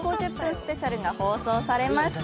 スペシャルが放送されました。